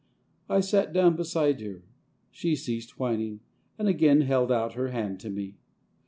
I sat down beside her ; she ceased whining, and again held out her hand to me.